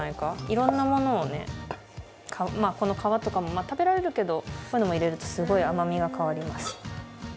いろんなものをね、皮とかも食べられるけどこういうの入れると味が変わります。